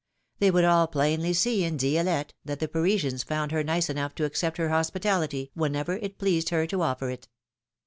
They would all plainly see in Di^lette that the Parisians found her nice enough to accept her hospitality whenever it pleased her to offer it!